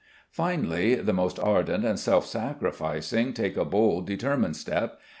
Finally, the most ardent and self sacrificing take a bold, determined step.